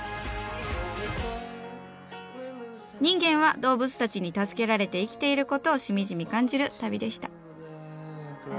人間は動物たちに助けられて生きていることをしみじみ感じる旅でした。